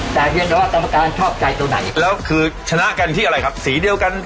แต่เพียงแต่ว่ากรรมการชอบใจตัวไหนแล้วคือชนะกันที่อะไรครับสีเดียวกัน